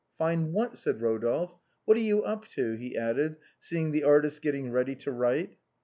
"Find what?" said Kodolphe. "What are you up to?" he added, seeing the artist getting ready to write.